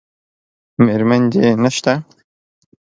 میرمن دې نشته؟